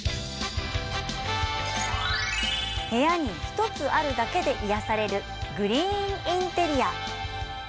部屋に１つあるだけで癒やされるグリーンインテリア。